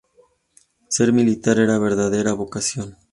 Ser militar era su verdadera vocación.